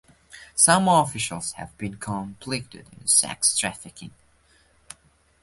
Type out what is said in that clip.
Some officials have been complicit in sex trafficking.